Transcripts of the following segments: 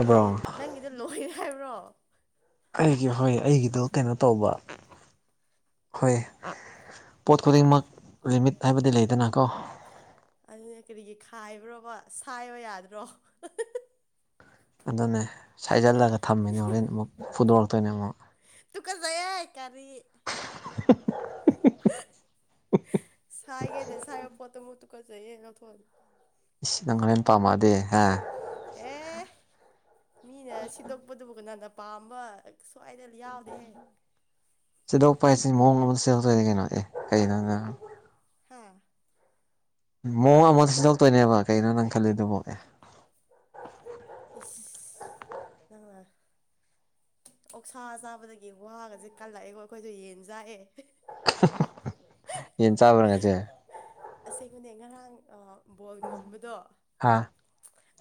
Hello bro ꯅꯪꯒꯤꯗꯣ ꯂꯣꯏꯔꯦ ꯍꯥꯏꯕ꯭ꯔꯣ? ꯑꯩꯒꯤ ꯍꯣꯏ ꯑꯩꯒꯤꯗꯣ ꯀꯩꯅꯣ ꯇꯧꯕ ꯍꯣꯏ ꯄꯣꯠ ꯈꯨꯗꯤꯡꯃꯛ ꯂꯤꯃꯤꯠ ꯍꯥꯏꯕꯗꯤ ꯂꯩꯗꯅꯀꯣ꯫ ꯑꯗꯨꯗꯤ ꯀꯔꯤꯒꯤ ꯈꯥꯏꯕ꯭ꯔꯣꯕ ꯁꯥꯏꯕ ꯌꯥꯗ꯭ꯔꯣ? [unintelligible] ꯑꯗꯨꯅꯦ ꯁꯥꯏꯖꯜꯂꯒ ꯊꯝꯃꯤꯅꯦ ꯍꯣꯔꯦꯟ ꯃꯨꯛ ꯐꯨꯗꯣꯔꯛꯇꯣꯏꯅꯦ ꯑꯃꯨꯛ꯫ ꯇꯨꯀꯠꯆꯩꯌꯦ! ꯀꯔꯤ [unintelligible] [unintelligible] ꯁꯥꯏꯒꯦꯗꯤ ꯁꯥꯏꯌꯣ ꯄꯣꯠꯇꯨ ꯑꯃꯨꯛ ꯇꯨꯀꯠꯆꯩꯌꯦ ꯂꯧꯊꯣꯛ ꯏꯁ ꯅꯪ ꯍꯣꯔꯦꯟ ꯄꯥꯝꯃꯛꯑꯗꯤ ꯍꯥ? ꯑꯦ! ꯃꯤꯅ ꯁꯤꯗꯣꯛꯄꯗꯨꯕꯨ ꯀꯅꯥꯅ ꯄꯥꯝꯕ? ꯁꯋꯥꯏꯗ ꯌꯥꯎꯗꯦ ꯍꯦ꯫ ꯁꯤꯗꯣꯛꯄ ꯍꯥꯏꯁꯤ ꯃꯑꯣꯡ ꯑꯃꯗ ꯁꯤꯗꯣꯛꯇꯣꯏꯅꯤ ꯀꯩꯅꯣ ꯑꯦ ꯀꯩꯅꯣ [inaudible] ꯍꯥꯥ ꯃꯑꯣꯡ ꯑꯃ ꯁꯤꯗꯣꯛꯛꯇꯣꯏꯅꯦꯕ ꯀꯩꯅꯣ ꯅꯪ ꯈꯜꯂꯤꯗꯨꯕꯣ ꯑꯦ꯫ ꯏꯁ ꯅꯪꯅ ꯑꯣꯛꯁꯥ ꯆꯥꯕꯗꯒꯤ ꯋꯥꯒꯁꯦ ꯀꯜꯂꯛꯑꯦꯀꯣ ꯑꯩꯈꯣꯏꯁꯨ ꯌꯦꯟ ꯆꯥꯏꯌꯦ [unintelligible] ꯌꯦꯟ ꯆꯥꯕ꯭ꯔꯥ ꯉꯁꯤ ꯑꯁꯦꯡꯕꯅꯦ ꯉꯔꯥꯡ ꯑꯥ ꯕꯣꯜ ꯉꯝꯕꯗꯣ ꯍꯥꯥ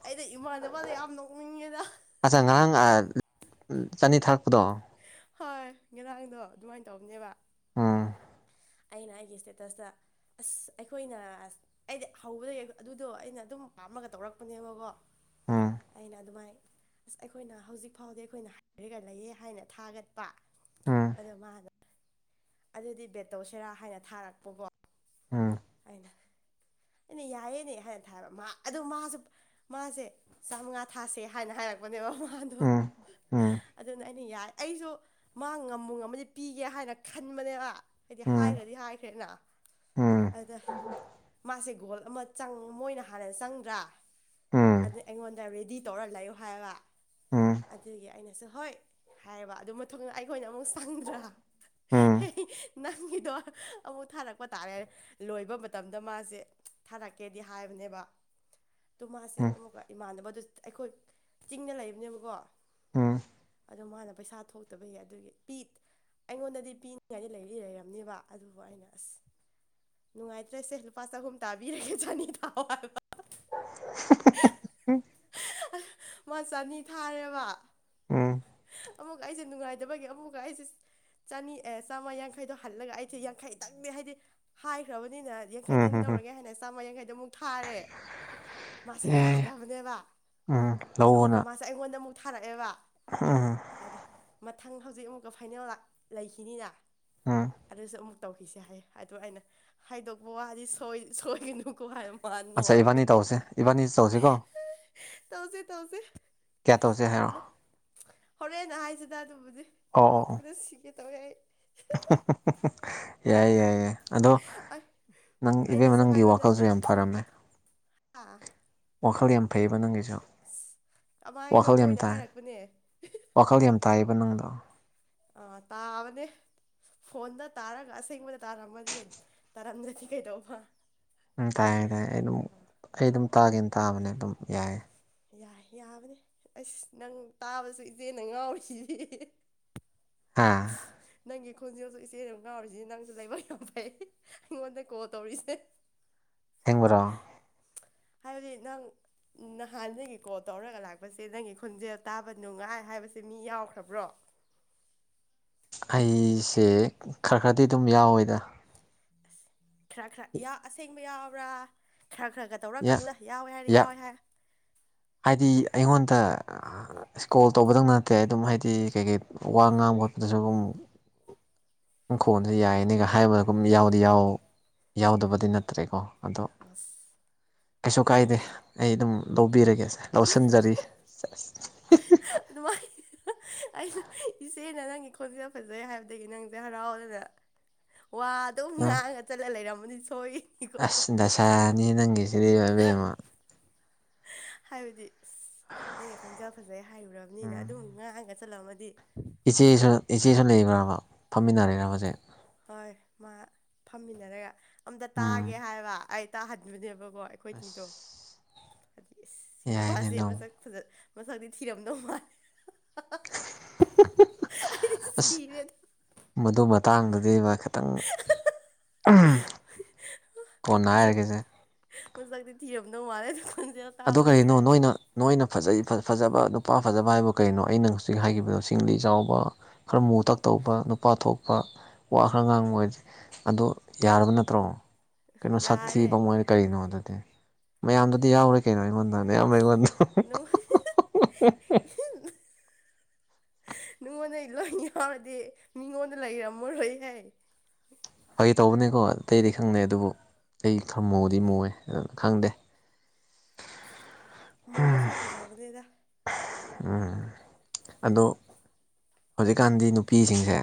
ꯑꯩꯗꯣ ꯏꯃꯥꯟꯅꯕꯗ ꯌꯥꯝ ꯅꯣꯛꯅꯤꯡꯉꯦꯗ ꯑꯠꯆꯥ ꯉꯥꯍꯡ [unintelligible] ꯆꯅꯤ ꯊꯥꯔꯛꯄꯗꯣ ꯍꯣꯏ ꯉꯔꯥꯡꯗꯣ ꯑꯗꯨꯃꯥꯏꯅ ꯇꯧꯕꯅꯦꯕ ꯎꯝ ꯑꯩꯅ ꯑꯩꯒꯤ ꯁꯇꯦꯇꯁꯇ ꯑꯁ ꯑꯩꯈꯣꯏꯅ ꯑꯁ ꯑꯩꯗꯤ ꯍꯧꯕꯗꯒꯤ ꯑꯩꯈꯣ ꯑꯗꯨꯗꯣ ꯑꯩꯅ ꯑꯗꯨꯝ ꯄꯥꯝꯃꯒ ꯇꯧꯔꯛꯄꯅꯦꯕꯀꯣ ꯎꯝ ꯑꯩꯅ ꯑꯗꯨꯃꯥꯏ ꯑꯁ ꯑꯩꯈꯣꯏꯅ ꯍꯧꯖꯤꯛ ꯐꯥꯎꯗꯤ ꯑꯩꯈꯣꯏꯅ ꯍꯥꯏꯔꯒ ꯂꯩꯌꯦ ꯍꯥꯏꯅ ꯊꯥꯒꯠꯄ ꯎꯝ ꯑꯗꯣ ꯃꯥꯅ ꯑꯗꯨꯗꯤ ꯕꯦꯠ ꯇꯧꯁꯦꯔꯥ ꯍꯥꯏꯅ ꯊꯥꯔꯛꯄꯀꯣ ꯎꯝ ꯑꯩꯅ ꯑꯩꯅ ꯌꯥꯏꯌꯦꯅꯦ ꯍꯥꯏꯅ ꯊꯥꯕ ꯃꯥ ꯑꯗꯨ ꯃꯥꯁꯨ ꯃꯥꯁꯦ ꯆꯥꯃꯉꯥ ꯊꯥꯁꯦ ꯍꯥꯏꯅ ꯍꯥꯏꯔꯛꯄꯅꯦꯕ ꯃꯥꯗꯣ ꯎꯝ ꯎꯝ ꯑꯗꯨꯅ ꯑꯩꯅ ꯌꯥꯏ ꯑꯩꯁꯨ ꯃꯥ ꯉꯝꯕꯨ ꯉꯝꯃꯗꯤ ꯄꯤꯒꯦ ꯍꯥꯏꯅ ꯈꯟꯕꯅꯦꯕ ꯑꯩꯗꯤ ꯎꯝ ꯍꯥꯏꯈ꯭ꯔꯗꯤ ꯍꯥꯏꯈ꯭ꯔꯦꯅ ꯎꯝ ꯑꯗ ꯃꯥꯁꯦ ꯒꯣꯜ ꯑꯃ ꯆꯪ ꯃꯣꯏꯅ ꯍꯥꯟꯅ ꯆꯪꯗ꯭ꯔꯥ ꯎꯝ ꯑꯗ ꯑꯩꯉꯣꯟꯗ ꯔꯦꯗꯤ ꯇꯧꯔ ꯂꯩꯌꯣ ꯍꯥꯏꯕ ꯎꯝ ꯑꯗꯨꯒꯤ ꯑꯩꯅꯁꯨ ꯍꯣꯏ ꯍꯥꯏꯌꯦꯕ ꯑꯗꯨ ꯃꯇꯨꯡꯗ ꯑꯩꯈꯣꯏꯅ ꯑꯃꯨꯛ ꯆꯪꯗ꯭ꯔꯥ ꯎꯝ [unintelligible] ꯅꯪꯒꯤꯗꯣ ꯑꯃꯨꯛ ꯊꯥꯔꯛꯄ ꯇꯥꯔꯦ ꯂꯣꯏꯕ ꯃꯇꯝꯗ ꯃꯥꯁꯦ ꯊꯥꯔꯛꯀꯦꯗꯤ ꯍꯥꯏꯕꯅꯦꯕ ꯇꯣ ꯃꯥꯥꯁꯦ ꯎꯝ ꯑꯃꯨꯛꯀ ꯏꯃꯥꯟꯅꯕꯗꯨ [unintelligible] ꯑꯩꯈꯣꯏ ꯆꯤꯡꯗ ꯂꯩꯕꯅꯦꯕꯀꯣ ꯎꯝ ꯑꯗꯣ ꯃꯥꯅ ꯄꯩꯁꯥ ꯊꯣꯛꯇꯕꯒꯤ ꯑꯗꯨꯒꯤ ꯄꯤꯠ ꯑꯩꯉꯣꯟꯗꯗꯤ ꯄꯤꯅꯤꯡꯉꯥꯏꯗꯤ ꯂꯩꯗꯤ ꯂꯩꯔꯝꯅꯤꯕ ꯑꯗꯨꯕꯨ ꯑꯩꯅ ꯑꯁ ꯅꯨꯡꯉꯥꯏꯇ꯭ꯔꯦꯁꯦ ꯂꯨꯄꯥ ꯆꯍꯨꯝ ꯇꯥꯕꯤꯔꯒꯦ ꯆꯥꯅꯤ ꯊꯥꯎ ꯍꯥꯏꯕ [unintelligible] [unintelligible] ꯃꯥ ꯆꯅꯤ ꯊꯥꯔꯦꯕ ꯎꯝ ꯑꯃꯨꯛꯀ ꯑꯩꯁꯦ ꯅꯨꯡꯉꯥꯏꯗꯕꯒꯤ ꯑꯃꯨꯛꯀ ꯑꯩꯁꯦ ꯆꯅꯤ ꯑꯦ ꯆꯥꯝꯃ ꯌꯥꯡꯈꯩꯗꯣ ꯍꯜꯂꯒ ꯑꯩꯁꯦ ꯌꯥꯡꯈꯩꯇꯪꯗꯤ ꯍꯥꯏꯗꯤ ꯍꯥꯏꯈ꯭ꯔꯕꯅꯤꯅ ꯎꯝ ꯌꯥꯡꯈꯩꯇꯪꯗꯤ ꯍꯝ ꯍꯝ ꯂꯧꯔꯒꯦ ꯍꯥꯏꯅ ꯆꯥꯝꯃ ꯌꯥꯡꯈꯩꯗꯣ ꯑꯃꯨꯛ ꯊꯥꯔꯦ ꯃꯥꯁꯦ ꯌꯥꯏ ꯌꯥꯗꯕꯅꯦꯕ ꯎꯝ ꯂꯧꯑꯣꯅ [unintelligible] ꯑꯩꯉꯣꯟꯗ ꯃꯨꯛ ꯊꯥꯔꯛꯑꯦꯕ ꯎꯝ ꯑꯗ ꯃꯊꯪ ꯍꯧꯖꯤꯛ ꯑꯃꯨꯛꯀ ꯐꯥꯏꯅꯦꯜ ꯂꯥꯛ ꯂꯩꯈꯤꯅꯤꯅ ꯎꯟ ꯑꯗꯨꯁꯨ ꯑꯃꯨꯛ ꯇꯧꯈꯤꯁꯤ ꯍꯥꯏ ꯑꯗꯨ ꯑꯩꯅ ꯍꯥꯏꯗꯣꯛꯄ ꯋꯥꯗꯤꯁꯣꯏ ꯁꯣꯏꯈꯤꯅꯨꯀꯣ ꯍꯥꯏꯔꯝ ꯃꯥꯥ ꯑꯠꯆꯥ ꯅꯣꯛꯑꯒ ꯏꯕꯥꯅꯤ ꯂꯩ ꯇꯧꯁꯦ ꯏꯕꯥꯅꯤ ꯇꯧꯁꯤꯀꯣ [unintelligible] ꯇꯧꯁꯦ ꯇꯧꯁꯦ ꯀꯌꯥ ꯇꯧꯁꯦ ꯌꯥꯝ ꯍꯥꯏꯔꯛꯑꯣ ꯅꯣꯛ ꯍꯣꯔꯦꯟꯅ ꯍꯥꯏꯁꯤꯗ ꯑꯗꯨꯕꯨꯗꯤ ꯑꯣ ꯑꯣ ꯅꯣꯛꯄꯗ ꯁꯤꯒꯦ ꯇꯧꯋꯦ ꯑꯩ [unintelligible] ꯌꯥꯏꯌꯦ ꯌꯥꯏꯌꯦ ꯑꯗꯣ ꯑꯩ ꯅꯪ ꯏꯕꯦꯝꯃ ꯑꯩꯅꯁꯨ ꯅꯪꯒꯤ ꯋꯥꯈꯜꯁꯦ ꯌꯥꯝ ꯐꯔꯝꯃꯦ ꯍꯥꯥ ꯋꯥꯈꯜ ꯌꯥꯝ ꯐꯩꯌꯦꯕ ꯅꯪꯒꯤꯁꯨ ꯁꯤ ꯀꯃꯥꯏꯅꯣ ꯋꯥꯈꯜ ꯌꯥꯝ ꯃꯣꯏꯅ ꯇꯥꯏ ꯍꯥꯏꯔꯛꯄꯅꯦ꯫ ꯋꯥꯈꯜ ꯌꯥꯝ ꯇꯥꯏꯌꯦꯕ ꯅꯪꯗꯣ ꯑꯥ ꯇꯥꯕꯅꯦ ꯐꯣꯟꯗ ꯇꯥꯔꯒ ꯑꯁꯦꯡꯕꯗ ꯇꯥꯔꯝꯃꯗꯤ ꯇꯥꯔꯝꯗꯔ꯭ꯗꯤ ꯀꯩꯗꯧꯕ ꯅꯪ ꯇꯥꯏ ꯗꯥꯏꯌꯦ ꯑꯩ ꯑꯗꯨꯝ ꯑꯩ ꯑꯗꯨꯝ ꯇꯥꯒꯦꯅ ꯇꯥꯕꯅꯦ ꯑꯗꯨꯝ ꯌꯥꯏꯌꯦ ꯌꯥꯏ ꯌꯥꯕꯅꯦ ꯑꯁ ꯅꯪ ꯇꯥꯕꯁꯨ ꯏꯆꯦꯅ ꯉꯥꯎꯔꯤꯁꯤꯗꯤ ꯫ ꯍꯥ ꯅꯪꯒꯤ ꯈꯣꯟꯖꯦꯜꯁꯨ ꯏꯆꯦꯅ ꯉꯥꯎꯔꯤꯁꯤꯅꯤ ꯅꯪꯁꯨ ꯂꯥꯏꯕꯛ ꯌꯥꯝ ꯐꯩ ꯑꯩꯉꯣꯟꯗ ꯀꯣꯜ ꯇꯧꯔꯤꯁꯦ꯫ [inaudible] ꯁꯦꯡꯕꯔꯣ ꯍꯥꯏꯕꯗꯤ ꯅꯪ ꯅꯍꯥꯟꯗꯒꯤ ꯀꯣꯜ ꯇꯧꯔꯒ ꯂꯥꯛꯄꯁꯦ ꯅꯪꯒꯤ ꯈꯣꯟꯖꯦꯜ ꯇꯥꯕ ꯅꯨꯡꯉꯥꯏ ꯍꯥꯏꯕꯁꯦ ꯃꯤ ꯌꯥꯎꯈ꯭ꯔꯕ꯭ꯔꯣ꯫ ꯑꯩꯁꯦ ꯈꯔ ꯈꯔꯗꯤ ꯗꯨꯝ ꯌꯥꯎꯋꯦꯗ꯫ ꯈꯔ ꯈꯔ ꯌꯥ ꯑꯁꯦꯡꯕ ꯌꯥꯎꯕ꯭ꯔꯥ ꯈꯔ ꯈꯔꯒ ꯌꯥ ꯇꯧꯔꯛꯀꯟꯗ ꯌꯥꯎꯋꯦ ꯍꯥꯏꯔꯗꯤ ꯌꯥ ꯌꯥꯎꯋꯦ ꯍꯥꯏ ꯍꯥꯏꯗꯤ ꯑꯩꯉꯣꯟꯇ ꯏꯁꯀꯣꯜ ꯇꯧꯕꯗꯪ ꯅꯠꯇꯦ ꯑꯗꯨꯝ ꯍꯥꯏꯗꯤ ꯀꯩꯀꯩ ꯋꯥ ꯉꯥꯡꯕ ꯈꯣꯠꯄꯗꯁꯨ ꯗꯨꯝ ꯅꯪꯈꯣꯟꯁꯦ ꯌꯥꯏꯌꯦꯅꯦ ꯒꯍꯥꯏꯕꯒꯨꯝ ꯌꯥꯎꯗꯤ ꯌꯥꯎ ꯌꯥꯎꯗꯕꯗꯤ ꯅꯠꯇ꯭ꯔꯦꯀꯣ ꯑꯗꯣ ꯑꯁ ꯀꯩꯁꯨ ꯀꯥꯏꯗꯦ ꯑꯗꯨꯗꯤ ꯑꯩ ꯑꯗꯨꯝ ꯂꯧꯕꯤꯔꯒꯦꯁꯦ ꯂꯧꯁꯤꯟꯖꯔꯤ ꯁꯦꯁ ꯑꯗꯨꯃꯥꯏ ꯑꯩꯅ ꯏꯆꯦꯅ ꯅꯪꯒꯤ ꯈꯣꯟꯖꯦꯜ ꯐꯖꯩ ꯍꯥꯏꯕꯗꯒꯤ ꯅꯪꯁꯦ ꯍꯔꯥꯎꯋꯦꯅ ꯋꯥ ꯑꯗꯨꯝ ꯑꯥ ꯉꯥꯡꯉ ꯆꯠꯂ ꯂꯩꯔꯝꯃꯅꯤ ꯁꯣꯏ ꯑꯁ ꯗꯥꯁꯥꯅꯤꯍꯦ ꯅꯪꯒꯤꯁꯤꯗꯤ ꯑꯕꯦꯝꯃ ꯍꯥꯏꯕꯗꯤ ꯑꯁ ꯅꯪꯒꯤ ꯈꯣꯟꯖꯦꯜ ꯐꯖꯩ ꯍꯥꯏꯔꯨꯔꯕꯅꯤꯅ ꯎꯝ ꯑꯗꯨꯝ ꯉꯥꯡꯉꯒ ꯆꯠꯂꯝ ꯃꯗꯤ꯫ ꯏꯆꯦꯁꯨ ꯏꯆꯦꯁꯨ ꯂꯩꯕ꯭ꯔꯕ ꯐꯝꯃꯤꯟꯅꯔꯤꯔ ꯍꯧꯖꯤꯛ ꯍꯣꯏ ꯃꯥ ꯐꯝꯃꯤꯟꯅꯔꯒ ꯑꯝꯇ ꯎꯝ ꯇꯥꯒꯦ ꯍꯥꯏꯕ ꯑꯩ ꯇꯥꯍꯟꯕꯅꯦꯕꯀꯣ ꯑꯁ ꯑꯩꯈꯣꯏꯅꯤꯗꯣ ꯑꯗꯒꯤ ꯑꯁ ꯁꯤ ꯌꯥꯏꯅꯦ ꯅꯨꯄꯥꯁꯦ ꯑꯗꯨꯝ ꯃꯁꯛ ꯐꯖ ꯃꯁꯛꯇꯤ ꯊꯤꯔꯝꯗꯧ ꯃꯥꯜꯂꯦ ꯑꯩꯗꯤ ꯁꯤꯔꯦꯗ ꯃꯗꯣ ꯃꯇꯥꯡꯗꯨꯗꯤ ꯃꯥ ꯈꯠ ꯇꯪ ꯀꯣꯟꯅ ꯃꯁꯛꯇꯤ ꯍꯥꯏꯔꯒꯦꯖꯦ ꯃꯁꯛꯇꯤ ꯊꯤꯔꯝꯗꯧ ꯃꯥꯜꯂꯦ ꯗꯣ ꯈꯣꯟꯖꯦꯜ ꯑꯗꯣ ꯇꯥꯕ ꯀꯩꯒꯤꯅꯣ ꯅꯨꯡꯉꯥꯏ ꯅꯣꯏꯅ ꯍꯥꯏꯕꯗ ꯅꯣꯏꯅ ꯐꯖꯩ ꯐꯖꯕ ꯅꯨꯄꯥ ꯐꯖꯕ ꯍꯥꯏꯕꯣ ꯀꯩꯅꯣ ꯑꯩꯅ ꯍꯧꯖꯤꯛ ꯍꯥꯏꯈꯤꯕꯗꯣ ꯁꯤꯡꯂꯤ ꯆꯥꯎꯕ ꯈꯔ ꯃꯨꯇꯛ ꯇꯧꯕ ꯅꯨꯄꯥ ꯊꯣꯛꯄ ꯋꯥ ꯈꯔ ꯉꯥꯡꯕ ꯑꯣꯏꯗꯤ ꯑꯗꯣ ꯌꯥꯔꯕ ꯅꯠꯇ꯭ꯔꯣ꯫ ꯀꯩꯅꯣ ꯌꯥꯔꯦ ꯁꯛꯊꯤꯕ ꯃꯣꯏꯅ ꯀꯔꯤꯅꯣ ꯑꯗꯨꯗꯤ ꯃꯌꯥꯝꯗꯗꯤ ꯌꯥꯎꯔꯣꯏ ꯀꯩꯅꯣ ꯑꯩꯉꯣꯟꯗ ꯃꯌꯥꯝ ꯑꯁ ꯅꯪ [unintelligible] ꯅꯉꯣꯟꯗꯩꯩ ꯂꯣꯏ ꯌꯥꯎꯔꯗꯤ ꯃꯤꯉꯣꯟꯗ ꯂꯩꯔꯝꯃꯔꯣꯏꯍꯦ ꯐꯥꯒꯤ ꯇꯧꯕꯅꯦꯀꯣ ꯑꯇꯩꯗꯤ ꯈꯪꯗꯦ ꯑꯗꯨꯕꯨ ꯑꯩ ꯈꯔ ꯃꯨꯗꯤ ꯃꯨꯌꯦ ꯑꯗ ꯈꯪꯗꯦ ꯃꯨꯕꯁꯤꯅ ꯐꯖꯕꯅꯦꯗ ꯎꯝ ꯑꯗꯣ ꯍꯧꯖꯤꯛꯀꯥꯟꯗꯤ ꯅꯨꯄꯤꯁꯤꯡꯁꯦ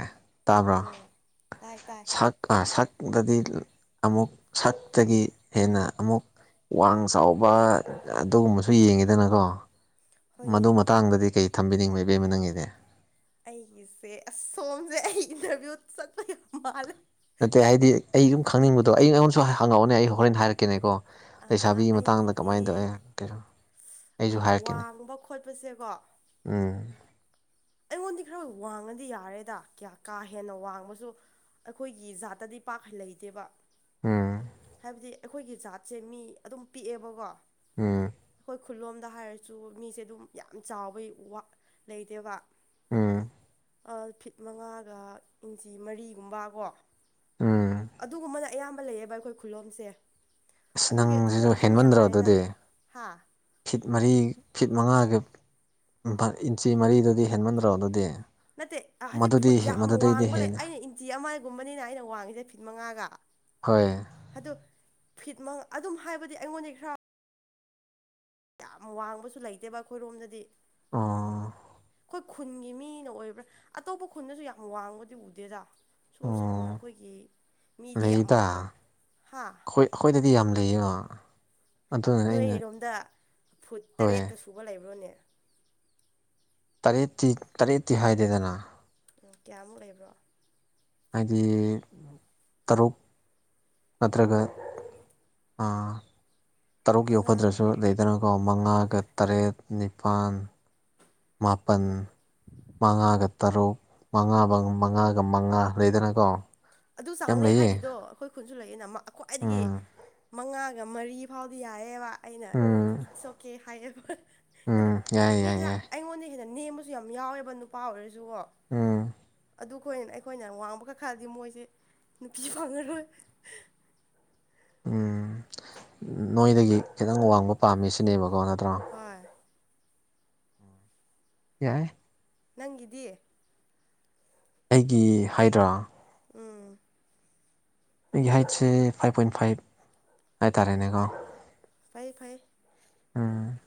ꯇꯥꯕ꯭ꯔꯥ ꯎꯝ ꯇꯥꯏ ꯇꯥꯏ ꯁꯛ ꯑꯥ ꯁꯛꯇꯗꯤ ꯑꯃꯨꯛ ꯁꯠꯇꯒꯤ ꯍꯦꯟꯅ ꯑꯃꯨꯛ ꯋꯥꯡ ꯆꯥꯎꯕ ꯑꯗꯨꯒꯨꯝꯕꯁꯨ ꯌꯦꯡꯉꯤꯗꯅꯒꯣ ꯍꯣꯏꯅꯦ ꯃꯗꯨ ꯃꯇꯥꯡꯗꯗꯤ ꯀꯩ ꯊꯝꯕꯤꯅꯤꯡꯕ ꯏꯕꯦꯝꯃ ꯅꯪꯒꯤꯗꯤ ꯑꯩꯒꯤꯁꯦ ꯑꯁ ꯁꯣꯝꯖꯦ ꯑꯩ ꯏꯟꯇꯔꯚꯤꯌꯨ ꯆꯠꯄ ꯌꯥꯝ ꯃꯥꯜꯂꯦ ꯅꯠꯇꯦ ꯍꯥꯏꯗꯤ ꯑꯩ ꯁꯨꯝ ꯈꯪꯅꯤꯡꯕꯗꯣ ꯑꯩ ꯑꯩꯉꯣꯟꯗꯁꯨ ꯍꯪꯉꯛꯑꯣꯅꯦ ꯑꯩ ꯍꯣꯔꯦꯟ ꯍꯥꯏꯔꯛꯀꯦꯅꯦꯀꯣ ꯂꯩꯩꯁꯥꯕꯤꯒꯤ ꯃꯇꯥꯡꯗ ꯑꯩꯒꯤꯗꯤ ꯀꯃꯥꯏꯅ ꯇꯧꯋꯦ ꯀꯩꯅꯣ ꯑꯩꯖꯨ ꯍꯥꯏꯔꯛꯀꯦꯅꯦ ꯐꯣꯠꯄꯁꯦ ꯀꯣ ꯎꯝ ꯑꯩꯉꯣꯟꯗꯤ ꯈꯔ ꯋꯥꯡꯉꯗꯤ ꯌꯥꯔꯦꯗ ꯀ꯭ꯌꯥ ꯀꯥ ꯍꯦꯟꯅ ꯋꯥꯡꯕꯁꯨ ꯑꯩꯈꯣꯏꯒꯤ ꯖꯥꯠꯇꯗꯤ ꯄꯥꯛ ꯂꯩꯇꯦꯕ ꯎꯝ ꯍꯥꯏꯗꯤ ꯑꯩꯈꯣꯏꯒꯤ ꯖꯥꯠꯁꯦ ꯃꯤ ꯑꯗꯨꯝ ꯄꯤꯛꯑꯦꯕꯀꯣ ꯎꯝ ꯑꯩꯈꯣꯏ ꯈꯨꯜꯂꯣꯝꯗ ꯍꯥꯏꯔꯁꯨ ꯃꯤꯁꯦ ꯑꯗꯨꯝ ꯌꯥꯝ ꯆꯥꯎꯕꯩ ꯋꯥ ꯂꯩꯇꯦꯕ ꯎꯝ ꯑ ꯐꯤꯠ ꯃꯉꯥꯒ ꯏꯟꯆꯤ ꯃꯔꯤꯒꯨꯝꯕ ꯀꯣ ꯎꯝ ꯑꯗꯨꯒꯨꯝꯕꯅ ꯑꯌꯥꯝꯕ ꯂꯩꯌꯦꯕ ꯑꯩꯈꯣꯏ ꯈꯨꯜꯂꯣꯝꯁꯦ ꯑꯁ ꯑꯗꯨꯒꯤ ꯑꯗꯨꯅ ꯅꯪꯁꯤꯁꯨ ꯑꯗꯨꯝ ꯍꯦꯟꯃꯟꯗ꯭ꯔꯣ ꯌꯥꯔꯦꯗ ꯑꯗꯨꯗꯤ ꯍꯥ ꯐꯤꯠ ꯃꯔꯤ ꯐꯤꯠ ꯃꯉꯥꯒ ꯐ ꯏꯟꯆꯤ ꯃꯔꯤꯗꯨꯗꯤ ꯍꯦꯟꯃꯟꯗ꯭ꯔꯣ ꯑꯗꯨꯗꯤ ꯅꯠꯇꯦ ꯑ ꯍꯖꯤꯛ ꯃꯗꯨꯗꯤ ꯐꯨꯠ ꯌꯥꯝ ꯃꯗꯨꯗꯩꯗꯤ ꯋꯥꯡꯕ ꯂꯩ ꯍꯦꯟꯅ ꯑꯩꯅ ꯏꯟꯆꯤ ꯑꯃꯒꯨꯝꯕꯅꯤꯅ ꯑꯩꯅ ꯋꯥꯡꯉꯤꯁꯦ ꯐꯤꯠ ꯃꯉꯥꯒ ꯍꯣꯏ ꯑꯗꯣ ꯐꯤꯠ ꯃ ꯑꯗꯨꯝ ꯍꯥꯏꯕꯗꯤ ꯑꯩꯉꯣꯟꯗꯩꯩ ꯈꯔ ꯌꯥꯝ ꯋꯥꯡꯕꯁꯨ ꯂꯩꯇꯦꯕ ꯑꯩꯈꯣꯏꯔꯣꯝꯗꯗꯤ ꯑꯣ ꯑꯩꯈꯣꯏ ꯈꯨꯟꯒꯤ ꯃꯤꯅ ꯑꯣꯏꯕ꯭ꯔꯥ ꯑꯇꯣꯞꯄ ꯈꯨꯟꯗꯁꯨ ꯌꯥꯝ ꯋꯥꯡꯕꯗꯤ ꯎꯗꯦꯗꯥ ꯁꯨꯝ ꯁꯝꯅ ꯑꯣ ꯑꯩꯈꯣꯏꯒꯤ ꯃꯤꯗꯤ ꯌꯥꯝ ꯂꯩꯗ ꯋꯥꯡ ꯑꯩꯈꯣꯏ ꯍꯥ ꯑꯩꯈꯣꯏꯗꯗꯤ ꯌꯥꯝ ꯂꯩꯌꯦꯅ ꯅꯣꯏꯔꯣꯝꯗ ꯐꯨꯠ ꯍꯣꯏ ꯇꯔꯦꯠꯀ ꯁꯨꯕ ꯂꯩꯕ꯭ꯔꯣꯅꯦ ꯇꯔꯦꯠꯇꯤ ꯇꯔꯦꯠꯇꯤ ꯍꯥꯏꯗꯦꯗꯅ ꯎꯝ ꯀꯌꯥꯃꯨꯛ ꯂꯩꯕ꯭ꯔꯣ ꯍꯥꯏꯗꯤ ꯇꯔꯨꯛ ꯅꯠꯇ꯭ꯔꯒ ꯑ ꯇꯔꯨꯛ ꯃꯉꯥꯒ ꯌꯧꯒꯗ꯭ꯔꯖꯨ ꯂꯩꯗꯅꯀꯣ ꯃꯉꯥꯒ ꯍꯣꯏ ꯇꯔꯦꯠ ꯅꯤꯄꯥꯜ ꯃꯥꯄꯟ ꯍꯣꯏ ꯃꯉꯥꯒ ꯇꯔꯨꯛ ꯃꯉꯥ ꯃꯉꯥꯒ ꯃꯉꯥ ꯂꯩꯗꯅꯀꯣ ꯑꯗꯨ ꯌꯥꯝ ꯆꯥꯡꯅꯦ ꯂꯩꯌꯦ ꯍꯥꯏꯔꯤꯗꯣ ꯑꯩꯈꯣꯏ ꯈꯨꯟꯁꯨ ꯂꯩꯌꯦꯅ ꯃꯥ ꯈ꯭ꯋꯥꯏꯗꯒꯤ ꯎꯝ ꯃꯉꯥꯒ ꯃꯔꯤ ꯐꯥꯎꯗꯤ ꯌꯥꯏꯌꯦꯕ ꯑꯩꯅ ꯎꯝ ꯏꯠꯁ ꯑꯣꯀꯦ ꯍꯥꯏꯌꯦꯕ ꯎꯝ ꯑꯗꯨ ꯌꯥꯏ ꯃꯤ ꯌꯥꯏ ꯈꯔ ꯌꯥꯏ ꯑꯩꯉꯣꯟꯗꯩꯩ ꯍꯦꯟꯅ ꯅꯦꯝꯕꯁꯨ ꯌꯥꯝ ꯌꯥꯎꯋꯦꯕ ꯅꯨꯄꯥ ꯑꯣꯏꯔꯁꯨꯀꯣ ꯎꯝ ꯑꯗꯨ ꯈꯣꯏ ꯑꯩꯈꯣꯏꯅ ꯋꯥꯡꯕꯒ ꯈꯥꯗꯤ ꯃꯣꯏꯁꯦ ꯅꯨꯄꯤ ꯐꯪꯉꯔꯣꯏ ꯎꯝ ꯅꯣꯏꯗꯒꯤ ꯈꯤꯇꯪ ꯋꯥꯡꯕ ꯄꯥꯝꯃꯤ ꯁꯤꯅꯦꯕꯀꯣ ꯅꯠꯇ꯭ꯔꯣ ꯍꯣꯏ ꯌꯥꯏ ꯅꯪꯒꯤꯗꯤ ꯑꯩꯒꯤ ꯍꯥꯏꯠꯔꯣ ꯎꯝ ꯑꯩꯒꯤ ꯍꯥꯏꯠꯁꯦ ꯐꯥꯏꯚ ꯄꯣꯏꯟ ꯐꯥꯏꯕ ꯍꯥꯏꯇꯥꯔꯦꯅꯦꯀꯣ ꯐꯩ ꯐꯩ ꯎꯝ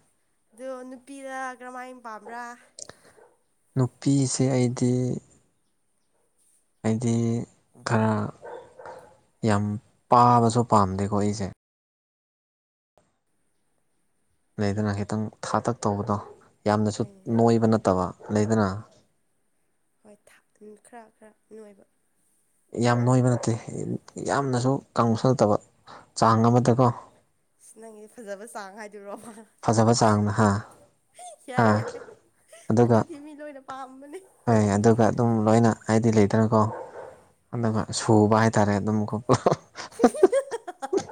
ꯑꯗꯣ ꯅꯨꯄꯤ ꯀꯔꯝꯍꯥꯏꯅ ꯄꯥꯝꯕ꯭ꯔꯥ ꯅꯨꯄꯤꯁꯦ ꯑꯩꯗꯤ ꯑꯩꯗꯤ ꯈꯔ ꯌꯥꯝ ꯄꯥꯕꯁꯨ ꯄꯥꯝꯗꯦꯀꯣ ꯑꯩꯁꯦ ꯂꯩꯗꯅ ꯈꯤꯇꯪ ꯊꯥꯇꯛ ꯇꯧꯕꯗꯣ ꯌꯥꯝꯅꯁꯨ ꯍꯣꯏꯅꯦ ꯅꯣꯏꯕ ꯅꯠꯇꯕ ꯂꯩꯗꯅ ꯍꯣꯏ ꯈꯔ ꯈꯔ ꯅꯣꯏꯕ ꯌꯥꯝ ꯅꯣꯏꯕ ꯅꯠꯇꯦ ꯌꯥꯝꯅꯁꯨ ꯀꯪꯕꯁꯨ ꯅꯠꯇꯕ ꯆꯥꯡ ꯑꯃꯗꯀꯣ ꯑꯁ ꯅꯪꯒꯤꯁꯦ ꯐꯖꯕ ꯆꯥꯡ ꯍꯥꯏꯗꯣꯏꯔꯣꯕ ꯐꯖꯕ ꯆꯥꯡꯗ ꯍꯥ ꯍꯥ ꯌꯥꯏ ꯌꯥꯏ ꯑꯗꯨꯒ ꯑꯗꯨꯗꯤ ꯃꯤ ꯂꯣꯏꯅ ꯄꯥꯝꯕꯅꯦ ꯍꯣꯏ ꯑꯗꯨꯒ ꯑꯗꯨꯝ ꯂꯣꯏꯅ ꯍꯥꯏꯗꯤ ꯂꯩꯗꯅꯀꯣ ꯑꯗꯨꯒ ꯁꯨꯕ ꯍꯥꯏꯇꯥꯔꯦ ꯑꯗꯨꯝꯀꯣ ꯍꯥꯍꯥꯍꯥꯥ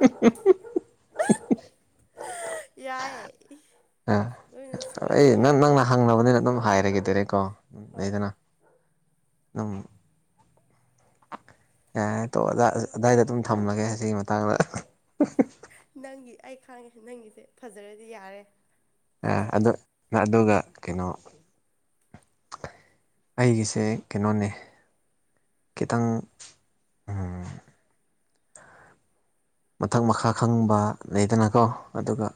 ꯌꯥꯏ ꯂꯣꯏꯅ ꯁꯨꯔꯗꯤ ꯑꯩ ꯅꯪ ꯍꯣꯏ ꯅꯪꯅ ꯍꯪꯅꯕꯅꯤꯅ ꯑꯗꯨꯝ ꯍꯥꯏꯔꯒꯦꯗꯔꯦ ꯗꯥꯏꯔꯦꯛ ꯀꯣ ꯍꯣꯏ ꯂꯩꯗꯅ ꯑꯝ ꯌꯥ ꯇꯣꯛꯑꯣꯗ ꯑꯗꯥꯏꯗ ꯑꯗꯨꯝ ꯊꯝꯂꯒꯦ ꯑꯁꯤꯒꯤ ꯃꯇꯥꯡꯗ ꯅꯪꯒꯤꯁꯦ ꯑꯩ ꯈꯥꯡꯉꯦ ꯅꯪꯒꯤꯁꯦ ꯐꯖꯔꯗꯤ ꯌꯥꯔꯦ ꯅꯠꯇ꯭ꯔꯥ ꯑꯗꯨ ꯑꯗꯨꯒ ꯀꯩꯅꯣ ꯑꯩꯒꯤꯁꯦ ꯀꯩꯅꯣꯅꯦ ꯈꯤꯇꯪ ꯃꯊꯛ ꯃꯈꯥ ꯈꯪꯕ ꯂꯩꯗꯅꯀꯣ ꯑꯗꯨꯒ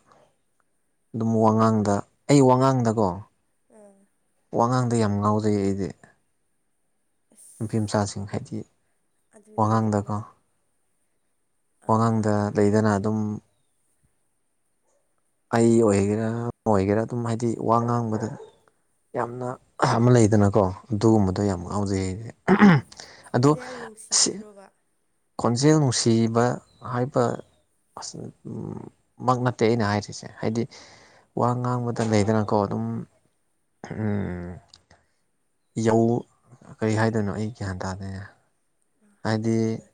ꯑꯗꯨꯝ ꯋꯥꯉꯥꯡꯗ ꯑꯩ ꯋꯥꯉꯥꯡꯗꯀꯣ ꯑꯥ ꯋꯥꯉꯥꯡꯗ ꯌꯥꯝ ꯉꯥꯎꯖꯩ ꯑꯩꯗꯤ ꯅꯨꯄꯤ ꯑꯁ ꯃꯆꯥꯁꯤꯡ ꯍꯥꯏꯗꯤ ꯑꯗꯨꯗꯤ ꯋꯥꯉꯥꯡꯗꯀꯣ ꯋꯥꯉꯥꯡꯗ ꯂꯩꯗꯅ ꯑꯗꯨꯝ ꯑꯩ ꯑꯣꯏꯒꯦꯔꯥ ꯑꯃ ꯑꯣꯏꯒꯦꯔꯥ ꯑꯗꯨꯝ ꯍꯥꯏꯗꯤ ꯋꯥ ꯉꯥꯡꯕꯗꯣ ꯌꯥꯝꯅ ꯑꯃ ꯂꯩꯗꯅꯀꯣ ꯑꯗꯨꯒꯨꯝꯕꯗꯣ ꯌꯥꯝ ꯉꯥꯎꯖꯩ ꯑꯩꯗꯤ ꯑꯗꯣ ꯈꯣꯟꯖꯦꯜ ꯁꯤ ꯅꯨꯡꯁꯤꯕꯗꯨꯔꯣꯕ ꯈꯣꯟꯖꯦꯜ ꯅꯨꯡꯁꯤꯕ ꯍꯥꯏꯕ ꯑꯁ ꯃꯪ ꯅꯠꯇꯦ ꯑꯩꯅ ꯍꯥꯏꯔꯤꯁꯦ ꯍꯥꯏꯗꯤ ꯋꯥ ꯉꯥꯡꯕꯗ ꯂꯩꯗꯅꯀꯣ ꯑꯗꯨꯝ ꯎꯝ ꯌꯧ ꯀꯔꯤ ꯍꯥꯏꯗꯣꯏꯅꯣ ꯑꯩ ꯒ꯭ꯌꯥꯟ ꯇꯥꯗꯅꯦ ꯍꯥꯏꯗꯤ ꯅꯪꯅ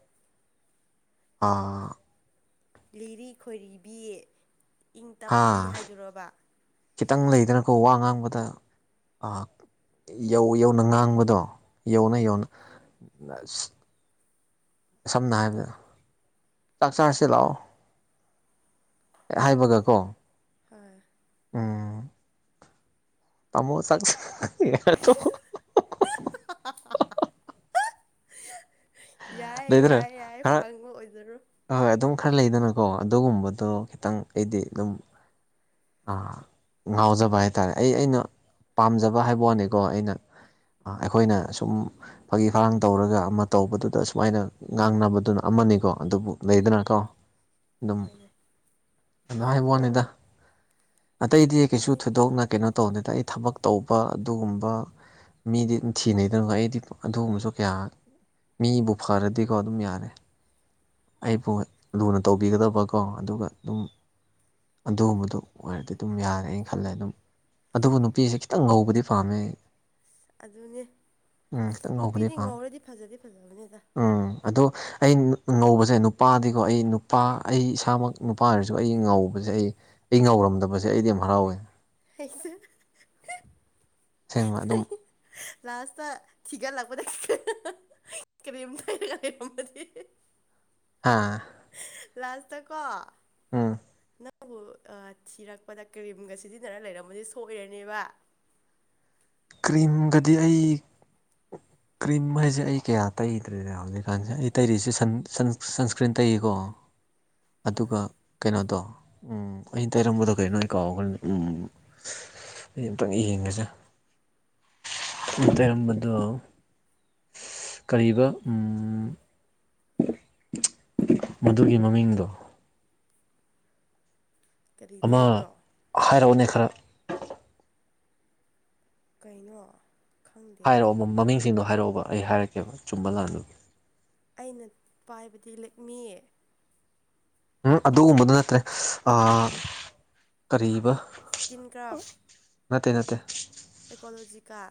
ꯑꯥ ꯂꯤꯔꯤ ꯈꯣꯏꯔꯤꯕꯤ ꯏꯪ ꯍꯥ ꯇꯞꯄꯤ ꯍꯥꯏꯗꯨꯔꯣꯕ ꯈꯤꯇꯪ ꯂꯩꯗꯅꯀꯣ ꯋꯥ ꯉꯥꯡꯕꯗ ꯑꯥ ꯌꯧ ꯌꯧꯅ ꯉꯥꯡꯕꯗꯣ ꯌꯧꯅ ꯍꯣꯏ ꯌꯧꯅ ꯁꯝꯅ ꯍꯥꯏꯔꯕꯗ ꯆꯥꯛ ꯆꯥꯔꯁꯦ ꯂꯥꯛꯑꯣ ꯍꯥꯏꯕꯒ ꯀꯣ ꯑꯥ ꯎꯝ ꯇꯃꯣ ꯆꯥꯛ [unintelligible] [unintelligible] ꯌꯥꯏ ꯌꯥꯏ ꯌꯥꯏ ꯐꯪꯕ ꯑꯣꯏꯖꯔꯣ ꯍꯣ ꯍꯣꯏ ꯑꯗꯨꯝ ꯈꯔ ꯂꯩꯗꯅꯀꯣ ꯑꯗꯨꯒꯨꯝꯕꯗꯣ ꯈꯤꯇꯪ ꯑꯩꯗꯤ ꯑꯗꯨꯝ ꯑꯥ ꯉꯥꯎꯖꯕ ꯍꯥꯏꯇꯥꯔꯦ ꯑꯩ ꯑꯩꯅ ꯄꯥꯝꯖꯕ ꯍꯥꯏꯕ ꯋꯥꯅꯤꯀꯣ ꯑꯩꯅ ꯑꯥ ꯑꯩꯈꯣꯏꯅ ꯁꯨꯝ ꯐꯥꯒꯤ ꯐꯔꯥꯡ ꯇꯧꯔꯒ ꯑꯃ ꯇꯧꯕꯗꯨꯗ ꯁꯨꯃꯥꯏꯅ ꯉꯥꯡꯅꯕꯗꯨꯅ ꯑꯃꯅꯤꯀꯣ ꯑꯗꯨꯕꯨ ꯂꯩꯗꯅꯀꯣ [inaudible] ꯑꯗꯨꯝ ꯑꯗꯨ ꯍꯥꯏꯕ ꯋꯥꯅꯤꯗ ꯑꯇꯩꯗꯤ ꯀꯩꯁꯨ ꯐꯩꯌꯦ ꯐꯩꯌꯦ ꯊꯣꯏꯗꯣꯛꯅ ꯀꯩꯅꯣ ꯇꯧꯗꯦꯗ ꯑꯩ ꯊꯕꯛ ꯇꯧꯕ ꯑꯗꯨꯒꯨꯝꯕ ꯃꯤꯗꯤ ꯑꯗꯨ ꯊꯤꯅꯩꯗꯅ ꯑꯩꯗꯤ ꯑꯗꯨꯒꯨꯝꯕꯁꯨ ꯀꯌꯥ ꯃꯤꯕꯨ ꯐꯔꯗꯤꯀꯣ ꯑꯗꯨꯝ ꯌꯥꯔꯦ ꯑꯩꯕꯨ ꯂꯨꯅ ꯇꯧꯕꯤꯒꯗꯕꯀꯣ ꯑꯗꯨꯒ ꯑꯗꯨꯝ ꯑꯗꯨꯒꯨꯝꯕꯗꯨ ꯑꯣꯏꯔꯗꯤ ꯑꯗꯨꯝ ꯌꯥꯔꯦ ꯑꯩ ꯈꯜꯂꯦ ꯑꯗꯨꯝ ꯑꯗꯨꯕꯨ ꯅꯨꯄꯤꯁꯦ ꯈꯤꯇꯪ ꯉꯧꯕꯗꯤ ꯄꯥꯝꯃꯦ ꯑꯩ ꯑꯗꯨꯅꯦ ꯈꯤꯇꯪ ꯉꯧꯕꯗꯤ ꯅꯨꯄꯤꯗꯤ ꯄꯥꯝꯃꯦ ꯉꯧꯔꯗꯤ ꯐꯖꯗꯤ ꯐꯖꯕꯅꯦꯗ ꯎꯝ ꯑꯗꯣ ꯑꯩ ꯉꯧꯕꯁꯦ ꯅꯨꯄꯥꯗꯤꯀꯣ ꯑꯩ ꯅꯨꯄꯥ ꯑꯩ ꯏꯁꯥꯃꯛ ꯅꯨꯄꯥ ꯑꯣꯏꯔꯁꯨ ꯑꯩꯗꯤ ꯉꯧꯕꯁꯦ ꯑꯩ ꯑꯩ ꯉꯧꯔꯝꯗꯕꯖꯦ ꯑꯩꯗꯤ ꯌꯥꯝ ꯍꯔꯥꯎꯋꯦ ꯍꯩꯁꯨ ꯁꯦꯡꯕ ꯑꯗꯨꯝ ꯂꯥꯁꯇꯥ ꯊꯤꯒꯠꯂꯛꯄꯗ ꯀ꯭ꯔꯤꯝ ꯇꯩ ꯂꯩꯔꯝꯃꯗꯤ ꯍꯥ ꯂꯥꯁꯇꯥꯀꯣ ꯎꯝ ꯅꯪꯕꯨ ꯑꯥ ꯊꯤꯔꯛꯄꯗ ꯀ꯭ꯔꯤꯝꯒꯥ ꯁꯤꯖꯤꯟꯅꯔꯥ ꯂꯩꯔꯝꯃꯗꯤ ꯁꯣꯏꯔꯅꯦꯕ ꯀ꯭ꯔꯤꯝꯒꯗꯤ ꯑꯩ [inaudible] ꯀ꯭ꯔꯤꯝ ꯍꯥꯏꯁꯦ ꯑꯩ ꯀꯌꯥ ꯇꯩꯗ꯭ꯔꯦꯅꯦ ꯍꯧꯖꯤꯛꯀꯥꯟꯁꯦ ꯑꯩ ꯇꯩꯔꯤꯁꯦ ꯁꯟ ꯁꯟ ꯁꯟꯁꯀ꯭ꯔꯤꯟ ꯇꯩꯀꯣ [inaudible] ꯑꯗꯨꯒꯥ ꯀꯩꯅꯣꯗꯣ ꯎꯝ ꯑꯩꯅ ꯇꯩꯔꯝꯕꯗꯣ ꯀꯩꯅꯣ ꯑꯩ ꯀꯥꯎꯈ꯭ꯔꯦ ꯎꯝ ꯑꯩ ꯑꯝꯇꯪꯒꯥ ꯌꯦꯡꯒꯦꯁꯦ ꯑꯩ ꯇꯩꯔꯝꯕꯗꯣ [inaudible] ꯀꯔꯤꯕ ꯎꯝ ꯃꯗꯨꯒꯤ ꯃꯃꯤꯡꯗꯣ ꯀꯔꯤ ꯑꯃ ꯇꯩꯕ꯭ꯔꯣ ꯍꯥꯏꯔꯛꯎꯅꯦ ꯈꯔ ꯀꯩꯅꯣ ꯈꯪꯗꯦ ꯍꯥꯏꯔꯛꯑꯣꯕ ꯃꯃꯤꯡꯁꯤꯡꯗꯣ ꯍꯥꯏꯔꯛꯑꯣꯕ ꯑꯩ ꯍꯥꯏꯔꯛꯀꯦꯕ ꯆꯨꯝꯕ ꯂꯥꯟꯕ ꯑꯩꯅ ꯄꯥꯏꯕꯗꯤ ꯂꯦꯛꯃꯤ ꯎꯝ ꯑꯗꯨꯒꯨꯝꯕꯗꯨ ꯅꯠꯇ꯭ꯔꯦ ꯑꯥ ꯀꯔꯤꯕ ꯁ꯭ꯀꯤꯟ ꯀ꯭ꯔꯥꯐ ꯅꯠꯇꯦ ꯅꯠꯇꯦ ꯑꯦꯀꯣꯂꯣꯖꯤꯀꯥ